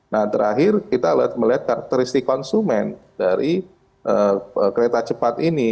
nah terakhir kita melihat karakteristik konsumen dari kereta cepat ini